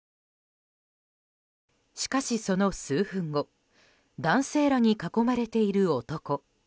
しかし、その数分後男性らに囲まれている男。